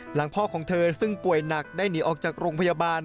หลังพ่อของเธอซึ่งป่วยหนักได้หนีออกจากโรงพยาบาล